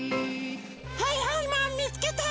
はいはいマンみつけた！